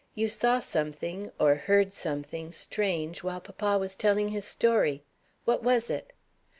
"You saw something (or heard something) strange while papa was telling his story. What was it?"